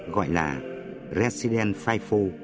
gọi là resident năm trăm bốn mươi